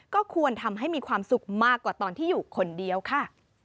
ก็ควรทำให้มีความสุขมากกว่าตอนที่อยู่คนเดียวค่ะ